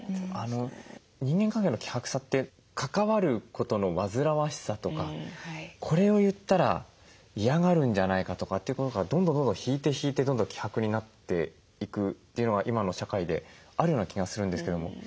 人間関係の希薄さって関わることの煩わしさとかこれを言ったら嫌がるんじゃないかとかってことからどんどんどんどん引いて引いてどんどん希薄になっていくというのが今の社会であるような気がするんですけども。